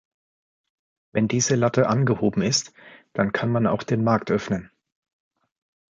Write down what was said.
Wenn diese Latte angehoben ist, dann kann man auch den Markt öffnen.